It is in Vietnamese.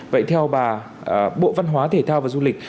vậy theo bà bộ văn hóa thể thao và du lịch